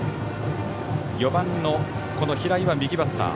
４番の平井は右バッター。